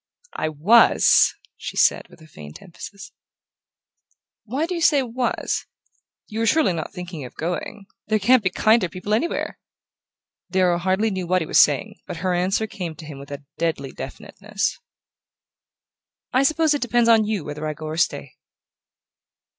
"I WAS," she said with a faint emphasis. "Why do you say 'was'? You're surely not thinking of going? There can't be kinder people anywhere." Darrow hardly knew what he was saying; but her answer came to him with deadly definiteness. "I suppose it depends on you whether I go or stay."